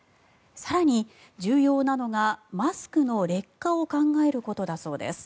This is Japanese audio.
更に、重要なのがマスクの劣化を考えることだそうです。